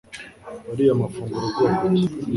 wariye amafunguro bwoko ki